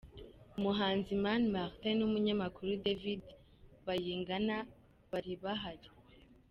Umuhanzi Mani Martin n'umunyamakuru David Bayingana bari bahari.